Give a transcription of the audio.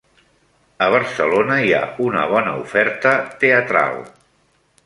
A Barcelona hi ha una bona oferta teatral.